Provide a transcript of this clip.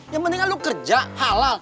yang penting kan lu kerja halal